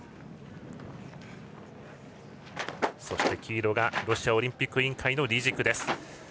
そして、黄色がロシアオリンピック委員会のリジクです。